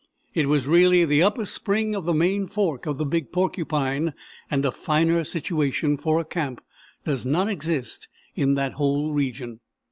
It was really the upper spring of the main fork of the Big Porcupine, and a finer situation for a camp does not exist in that whole region.